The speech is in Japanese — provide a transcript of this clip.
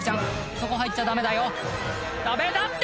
そこ入っちゃダメだよダメだって！